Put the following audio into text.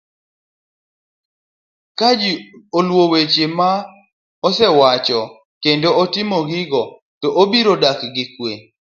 Ka ji oluwo weche ma asewacho kendo timo gigo to gibiro dak gi kue